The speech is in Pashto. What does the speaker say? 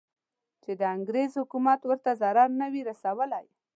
چې د انګریز حکومت ورته ضرر نه وي رسولی.